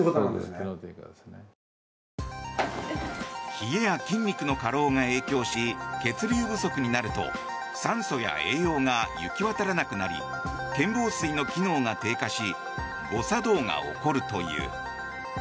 冷えや筋肉の過労が影響し血流不足になると酸素や栄養が行き渡らなくなり腱紡錘の機能が低下し誤作動が起こるという。